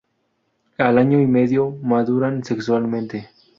Al año y medio maduran sexualmente.